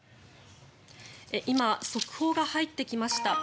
「今速報が入ってきました」